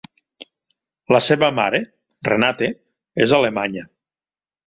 La seva mare, Renate, és alemanya.